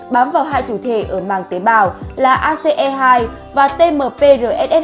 bám vào hai thủ thể ở màng tế bào là ace hai và tmprss hai